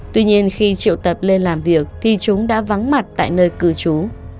tuy nhiên khi triệu tập lên làm việc thì chúng đã vắng mặt tại nơi cư trú